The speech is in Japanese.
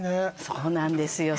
そうなんですよ